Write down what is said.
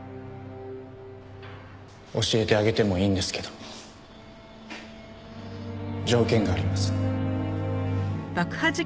教えてあげてもいいんですけど条件があります。